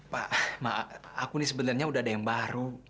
pak mak aku ini sebenarnya udah ada yang baru